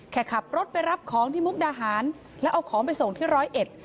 ขับรถไปรับของที่มุกดาหารแล้วเอาของไปส่งที่ร้อยเอ็ด